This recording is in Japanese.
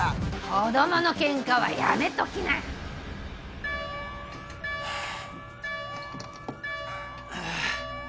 ・子供のケンカはやめときな・あぁ。